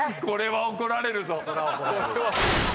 これは怒られるぞ。